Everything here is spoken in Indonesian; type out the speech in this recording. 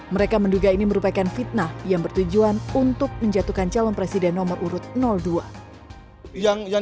mereka menduga ini merupakan fitnah yang bertujuan untuk menjatuhkan calon presiden nomor urut dua